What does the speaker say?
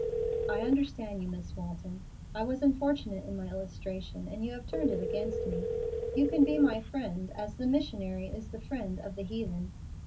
"I understand you, Miss Walton. I was unfortunate in my illustration, and you have turned it against me. You can be my friend, as the missionary is the friend of the heathen."